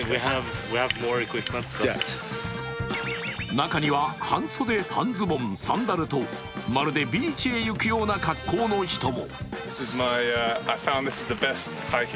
中には、半袖、半ズボン、サンダルとまるでビーチへ行くような格好の人も。